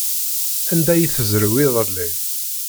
Anda ay tezrew iḍelli?